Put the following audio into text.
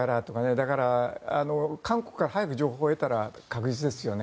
だから、韓国から早く情報を得たら確実ですよね。